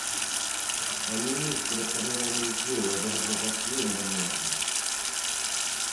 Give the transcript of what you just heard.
A ministra tamén anunciou a derrogación da norma.